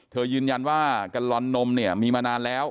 ยืนยันว่ากัลลอนนมเนี่ยมีมานานแล้ว